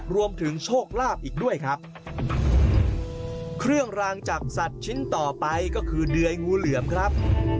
โชคลาภอีกด้วยครับเครื่องรางจากสัตว์ชิ้นต่อไปก็คือเดื่อยงูเหลือมครับ